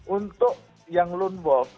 untuk yang lunwolf